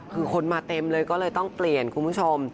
คือคนมาเต็มเลยก็เลยต้องเปลี่ยนคุณผู้ชม